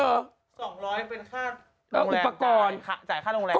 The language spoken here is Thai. ๒๐๐เป็นค่าโรงแรมจ่ายค่าโรงแรม